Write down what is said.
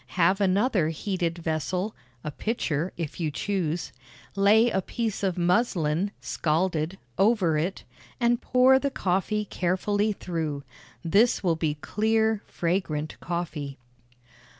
Have another heated vessel (a pitcher, if you choose); lay a piece of muslin (scalded) over it, and pour the coffee carefully through it. This will be clear, fragrant coffee.